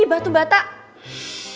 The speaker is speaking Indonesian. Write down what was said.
patung ngapain sih kesini